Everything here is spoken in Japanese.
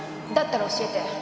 だったら教えて。